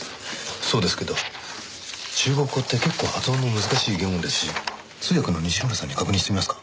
そうですけど中国語って結構発音の難しい言語ですし通訳の西村さんに確認してみますか？